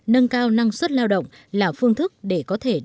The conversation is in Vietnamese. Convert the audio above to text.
nâng cao năng suất lao động là phương thức để có thể đồng hành